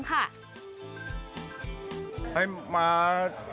กลายเป็นประเพณีที่สืบทอดมาอย่างยาวนาน